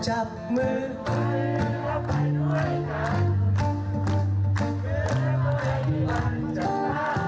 จับมือไฟดังฝันกันไหว